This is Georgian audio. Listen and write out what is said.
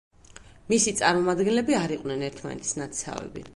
მისი წარმომადგენლები არ იყვნენ ერთმანეთის ნათესავები.